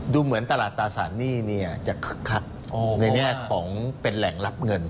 ดูเหมือนตลาดตราสารหนี้จะคึกคักในแง่ของเป็นแหล่งรับเงิน